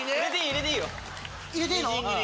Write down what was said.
入れていいよ。